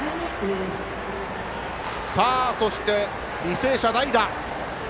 そして、履正社、代打。